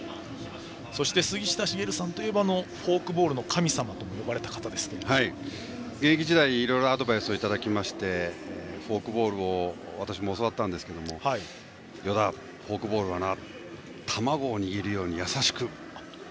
そして杉下茂さんといえばフォークボールの神様と現役時代に、いろいろアドバイスをいただきましてフォークボールを私も教わったんですが与田、フォークボールはな卵を握るように優しくと。